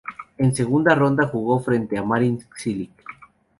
En segunda ronda jugó frente a Marin Cilic.